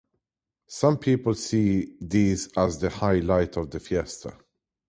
Some people see these as the highlight of the fiesta.